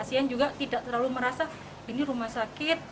pasien juga tidak terlalu merasa ini rumah sakit